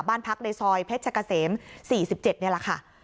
บ้านพักในซอยเพชรกะเสม๔๗นี่แหละค่ะ